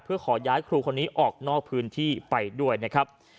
เพื่อขอย้ายครูคนนี้ออกนอกพื้นที่ไปด้วยนะครับ